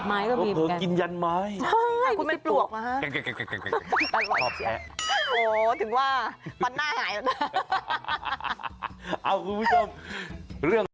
เผื่อกินยันไม้ไม่ปลวกนะฮะถึงว่าฟันหน้าหายแล้วนะ